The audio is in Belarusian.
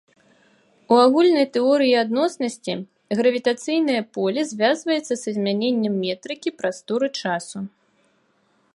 У агульнай тэорыі адноснасці гравітацыйнае поле звязваецца са змяненнем метрыкі прасторы-часу.